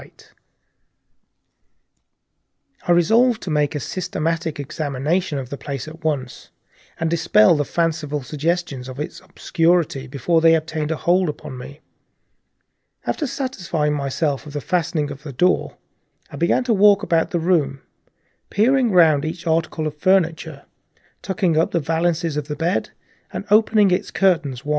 I tried to fight the feeling down. I resolved to make a systematic examination of the place, and so, by leaving nothing to the imagination, dispel the fanciful suggestions of the obscurity before they obtained a hold upon me. After satisfying myself of the fastening of the door, I began to walk round the room, peering round each article of furniture, tucking up the valances of the bed and opening its curtains wide.